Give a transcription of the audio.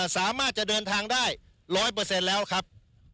สามารถจะเดินทางได้๑๐๐แล้วครับ